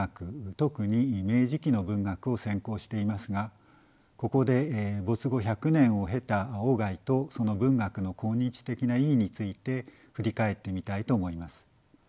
特に明治期の文学を専攻していますがここで没後１００年を経た外とその文学の今日的な意義について振り返ってみたいと思います。